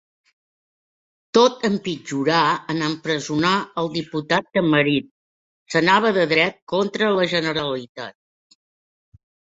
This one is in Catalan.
Tot empitjorà en empresonar el diputat Tamarit; s'anava de dret contra la Generalitat.